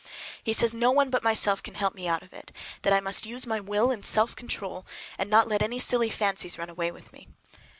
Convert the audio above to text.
He says no one but myself can help me out of it, that I must use my will and self control and not let any silly fancies run away with me.